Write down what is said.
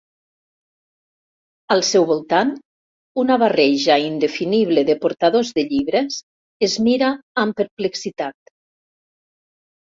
Al seu voltant una barreja indefinible de portadors de llibres es mira amb perplexitat.